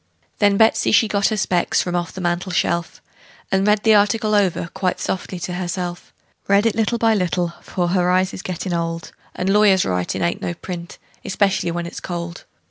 Then Betsey she got her specs from off the mantel shelf, And read the article over quite softly to herself; Read it by little and little, for her eyes is gettin' old, And lawyers' writin' ain't no print, especially when it's cold.